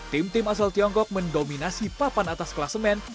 tim tim asal tiongkok mendominasi papan atas kelas men